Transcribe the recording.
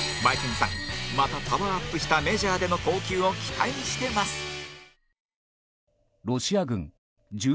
マエケンさんまたパワーアップしたメジャーでの投球を期待してます！